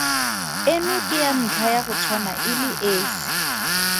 Eno ke ya ntlha ya go tshwana e le esi.